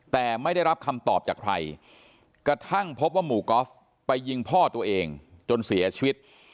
แต่ไม่ได้รับคำตอบจากใครกระทั่งพบว่าหมู่กอล์ฟไปยิงพ่อตัวเองจนเสียชีวิต